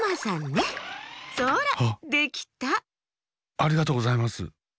ありがとうございます。